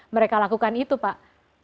mereka lakukan itu pak